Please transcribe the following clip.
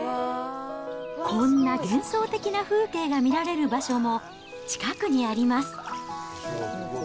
こんな幻想的な風景が見られる場所も近くにあります。